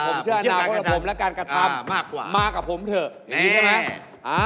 ผมเชื่ออนาคตของผมและการกระทำมากกว่ามากกว่าผมเถอะอย่างนี้ใช่ไหม